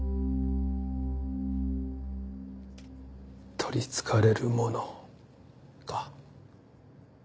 とり憑かれるものか。